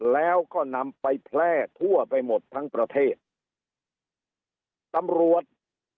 แล้วก็นำไปแพร่ทั่วไปหมดทั้งประเทศตำรวจ